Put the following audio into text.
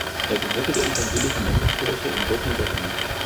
Er gehörte der evangelischen Landeskirche in Württemberg an.